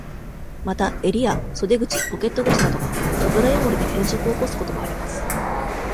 また、襟や、袖口ポケット口などが、油汚れで変色を起こすこともあります。